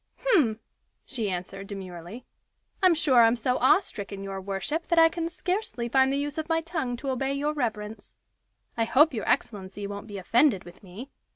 "Hem!" she answered, demurely. "I'm sure I'm so awestricken, your worship, that I can scarcely find the use of my tongue to obey your reverence. I hope your excellency won't be offended with me.